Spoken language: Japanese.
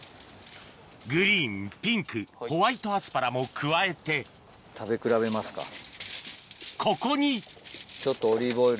グリーンピンクホワイトアスパラも加えてここにちょっと。